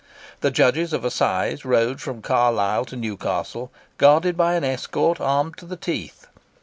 The Judges of Assize rode from Carlisle to Newcastle guarded by an escort armed to the teeth.